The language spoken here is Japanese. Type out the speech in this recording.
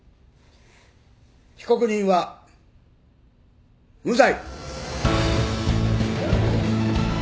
被告人は無罪。